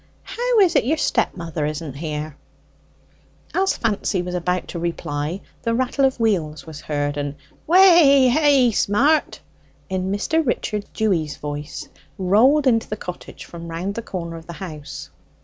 How is it your stap mother isn't here?" As Fancy was about to reply, the rattle of wheels was heard, and "Weh hey, Smart!" in Mr. Richard Dewy's voice rolled into the cottage from round the corner of the house.